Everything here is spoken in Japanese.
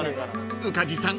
［宇梶さん